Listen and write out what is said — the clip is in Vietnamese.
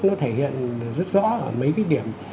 nó thể hiện rất là quan trọng